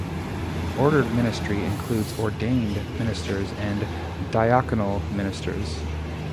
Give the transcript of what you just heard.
Ordered ministry includes "ordained" ministers and "diaconal" ministers.